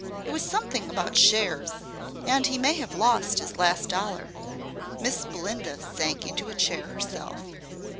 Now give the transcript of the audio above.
It was something about shares, and he may have lost his last dollar." Miss Belinda sank into a chair herself.